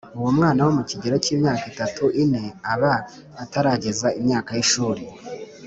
umwana wo mu kigero cy’imyaka itatu -ine, aba atarageza imyaka y’ishuri